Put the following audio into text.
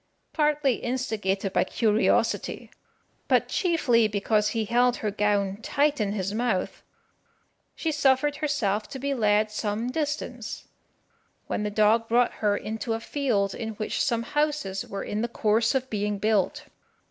Partly instigated by curiosity, but chiefly because he held her gown tight in his mouth, she suffered herself to be led some distance, when the dog brought her into a field in which some houses were in the course of being built.